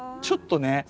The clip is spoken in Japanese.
ちょっとね。